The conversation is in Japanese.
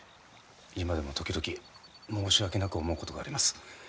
今でも時々申し訳なく思うことがあります。